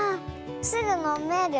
すぐのめる？